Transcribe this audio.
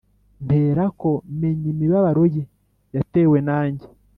Mperako meny'imibabaro ye, Yatewe nanjye.